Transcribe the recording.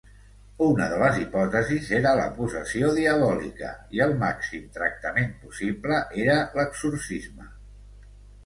Una de les hipòtesis era la possessió diabòlica, i el màxim tractament possible era l'exorcisme.